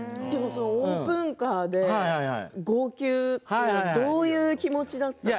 オープンカーで号泣どういう気持ちだったんですか？